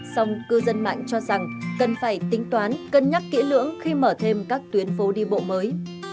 song cư dân mạng cho rằng cần phải tính toán cân nhắc kỹ lưỡng khi mở thêm các tuyến phố đi bộ mới